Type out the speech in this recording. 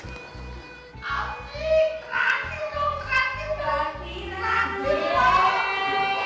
aduh kerasin dong kerasin dong